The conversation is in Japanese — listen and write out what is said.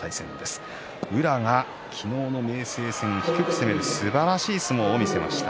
宇良は昨日の明生戦ですばらしい相撲を見せました。